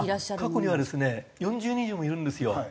過去にはですね４０人以上もいるんですよ。